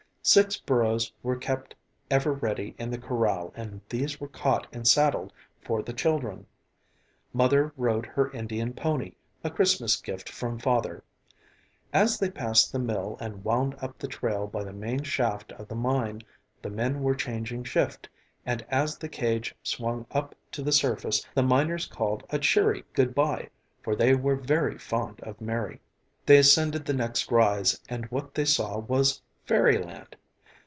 Six burros were kept ever ready in the corral and these were caught and saddled for the children. Mother rode her Indian pony, a Christmas gift from Father. As they passed the mill and wound up the trail by the main shaft of the mine, the men were changing shift and as the cage swung up to the surface the miners called a cheery good bye, for they were very fond of Mary. They ascended the next rise and what they saw was fairyland.